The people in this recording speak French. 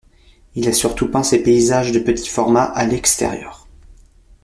Il a surtout peint ses paysages de petit format à l'extérieur.